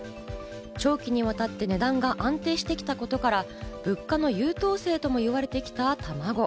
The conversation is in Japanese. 長期にわたって値段が安定してきたことから、物価の優等生とも言われてきた、たまご。